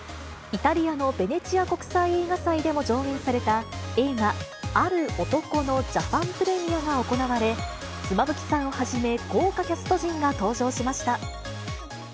イタリアのベネチア国際映画祭でも上映された、映画、ある男のジャパンプレミアが行われ、妻夫木さんをはじめ、豪華キャスト陣が登場しました。